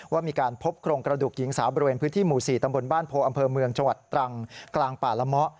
ว่ามีการพบโครงกระดูกหญิงสาวบริเวณพื้นที่หมู่๔ตำบลบ้านโพอำเภอเมืองจังหวัดตรังกลางป่าละเมาะ